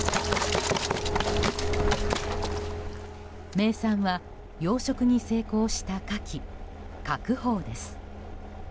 名産は養殖に成功したカキ、鶴宝です。